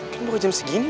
kan baru jam segini